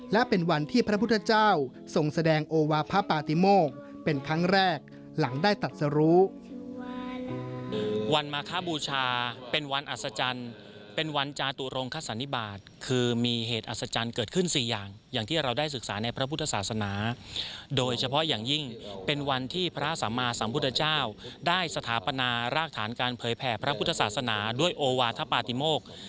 และเป็นวันที่พระพุทธเจ้าส่งแสดงโอวาพระปาติโมก